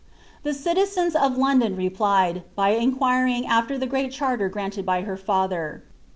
The citizens of London replied, by inquiring after the great charter granted by her fiither.